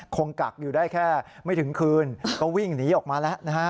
กักอยู่ได้แค่ไม่ถึงคืนก็วิ่งหนีออกมาแล้วนะฮะ